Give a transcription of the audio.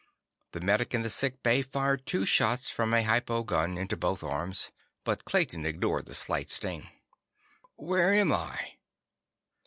The medic in the sick bay fired two shots from a hypo gun into both arms, but Clayton ignored the slight sting. "Where am I?"